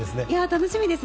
楽しみです。